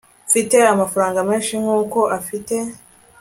mfite amafaranga menshi nkuko afite